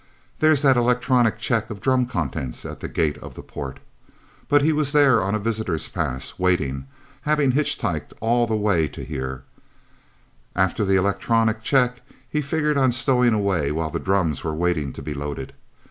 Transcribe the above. There's that electronic check of drum contents at the gate of the port. But he was there on a visitor's pass, waiting having hitchhiked all the way to here. After the electronic check, he figured on stowing away, while the drums were waiting to be loaded.